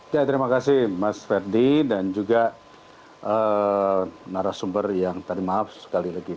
ya terima kasih mas ferdi dan juga narasumber yang tadi maaf sekali lagi